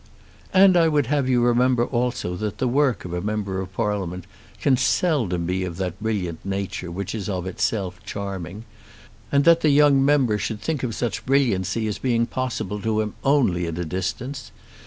And I would have you remember also that the work of a member of Parliament can seldom be of that brilliant nature which is of itself charming; and that the young member should think of such brilliancy as being possible to him only at a distance.